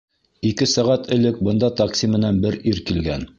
Ике сәғәт элек бында такси менән бер ир килгән!